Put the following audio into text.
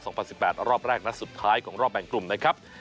รอบแรกรอบแรกสุดท้ายของรอบแห่งกลุ่มนะครับ